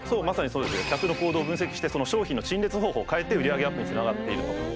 まさにそうでして客の行動を分析してその商品の陳列方法を変えて売り上げアップにつながっていると。